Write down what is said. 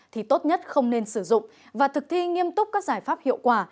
thì tốt nhất không nên sử dụng và thực thi nghiêm túc các giải pháp hiệu quả